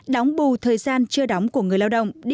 đóng bù thời gian chưa đóng của người lao động